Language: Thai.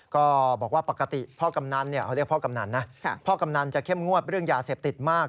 ก็บอกว่าปกติพ่อกำหนันจะเข้มงวดเรื่องยาเสพติดมาก